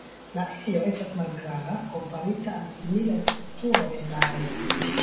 La ejo estas malgranda komparita al similaj strukturoj en la areo.